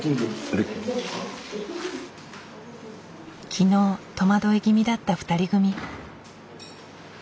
昨日戸惑い気味だった２人組。